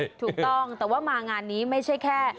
ถูกต้องแต่ว่ามางานนี้ไม่ใช่แค่